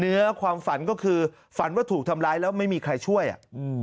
เนื้อความฝันก็คือฝันว่าถูกทำร้ายแล้วไม่มีใครช่วยอ่ะอืม